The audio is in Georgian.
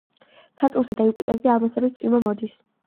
სატურნსა და იუპიტერზე ალმასების წვიმა მოდის.